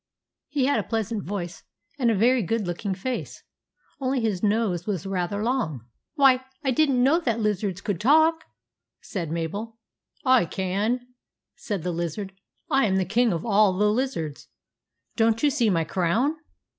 He had a pleasant voice and a very good looking face, only his nose was rather long. " Why, I did n't know that lizards could talk !" said Mabel. "/ can," said the lizard, " I am the King of all the Lizards. Don't you see my crown